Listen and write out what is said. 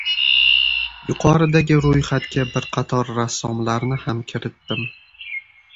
Yuqoridagi roʻyxatga bir qator rassomlarni ham kiritdim.